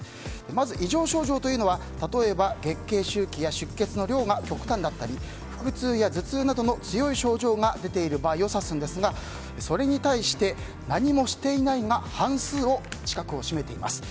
まず異常症状というのは例えば月経周期や出血の量が極端だったり腹痛や頭痛などの強い症状が出ている場合を指すんですがそれに対して何もしていないが半数近くを占めています。